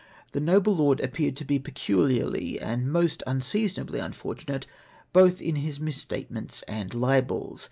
The noble lord appeared to be peculiarly and most unseason ably unfortunate both in his mis statements and libels.